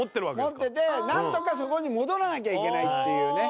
持っててなんとかそこに戻らなきゃいけないっていうね。